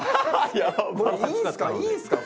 いいんすか？